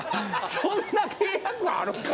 そんな契約あるか！